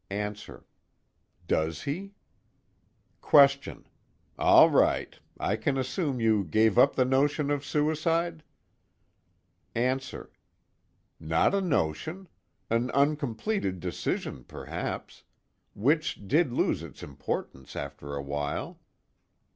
ANSWER: Does he? QUESTION: All right. I can assume you gave up the notion of suicide? ANSWER: Not a notion. An uncompleted decision, perhaps. Which did lose its importance after a while.